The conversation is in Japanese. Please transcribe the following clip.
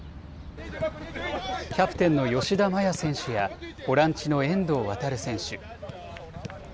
キャプテンの吉田麻也選手やボランチの遠藤航選手。